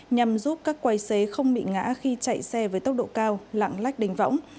nhằm giúp các quay xế không bị ngã khi chạy xe với tốc độ cao lạng lách đánh võng